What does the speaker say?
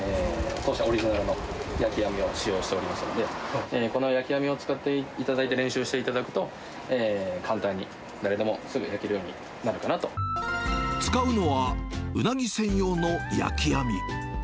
当社オリジナルの焼き網を使用しておりますので、この焼き網を使っていただいて練習していただくと、簡単に誰でも、使うのは、うなぎ専用の焼き網。